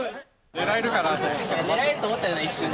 狙えると思ったよね、一瞬ね。